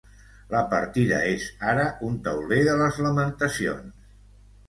La partida és, ara, un tauler de les lamentacions.